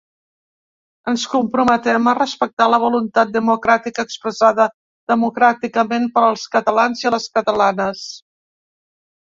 Ens comprometem a respectar la voluntat democràtica expressada democràticament pels catalans i les catalanes.